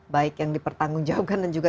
baik yang dipertanggungjawabkan dan juga